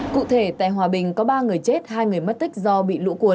cụ thể tại hòa bình có ba người chết hai người mất tích do bị lũ cuốn